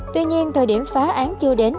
tuy nhiên thời điểm phá án chưa đến